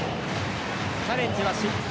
チャレンジは失敗。